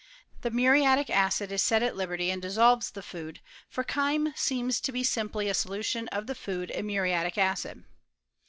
The muriatic acid is set at liberty. { OF CI1EMI4TRT. '^^^" and dissolves the food ; for chyme seems to be simply a solution of the food in muriatic acid.